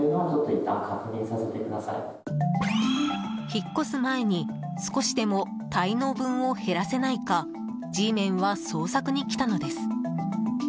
引っ越す前に少しでも滞納分を減らせないかＧメンは捜索に来たのです。